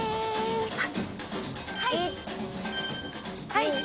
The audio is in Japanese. はい！